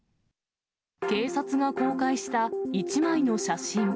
警察が公開した１枚の写真。